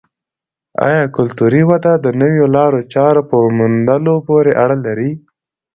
آیا کلتوري وده د نویو لارو چارو په موندلو پورې اړه لري؟